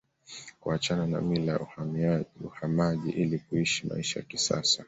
Kuachana na mila ya uhamaji ili kuishi maisha ya kisasa